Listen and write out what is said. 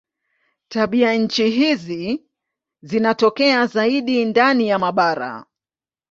Tabianchi hizi zinatokea zaidi ndani ya mabara.